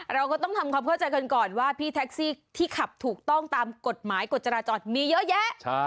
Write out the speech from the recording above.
เราก็ต้องทำความเข้าใจกันก่อนว่าพี่แท็กซี่ที่ขับถูกต้องตามกฎหมายกฎจราจรมีเยอะแยะ